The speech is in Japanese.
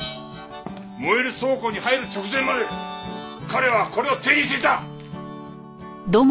燃える倉庫に入る直前まで彼はこれを手にしていた！